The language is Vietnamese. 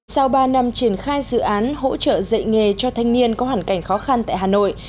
sau ba năm triển khai dự án hỗ trợ dạy nghề cho thanh niên có hoàn cảnh khó khăn tại hà nội